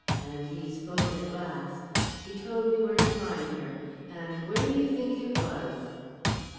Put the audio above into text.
And he spoke at last. He told me where to find her. And where do you think it was?"